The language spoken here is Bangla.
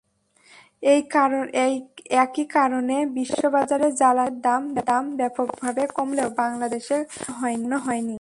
একই কারণে বিশ্ববাজারে জ্বালানি তেলের দাম ব্যাপকভাবে কমলেও বাংলাদেশে কমানো হয়নি।